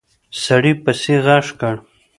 سړي پسې غږ کړ!